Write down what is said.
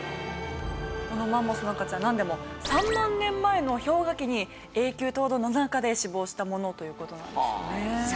このマンモスの赤ちゃんなんでも３万年前の氷河期に永久凍土の中で死亡したものという事なんですよね。